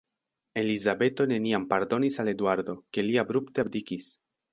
Elizabeto neniam pardonis al Eduardo, ke li abrupte abdikis.